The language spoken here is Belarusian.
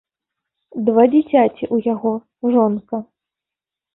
Два дзіцяці ў яго, жонка.